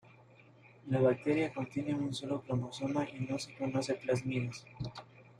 La bacteria contiene un solo cromosoma y no se conocen plásmidos.